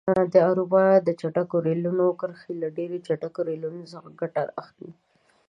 د اروپا د چټکو ریلونو کرښې له ډېرو چټکو ریلونو څخه ګټه اخلي.